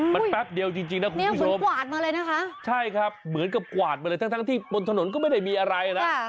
มันแป๊บเดียวจริงนะคุณผู้ชมกวาดมาเลยนะคะใช่ครับเหมือนกับกวาดมาเลยทั้งที่บนถนนก็ไม่ได้มีอะไรนะ